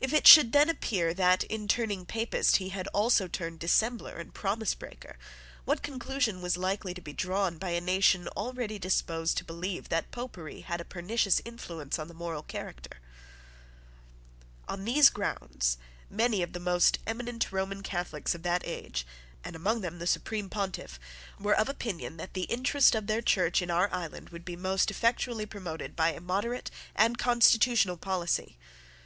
If then it should appear that, in turning Papist, he had also turned dissembler and promisebreaker, what conclusion was likely to be drawn by a nation already disposed to believe that Popery had a pernicious influence on the moral character? On these grounds many of the most eminent Roman Catholics of that age, and among them the Supreme Pontiff, were of opinion that the interest of their Church in our island would be most effectually promoted by a moderate and constitutional policy.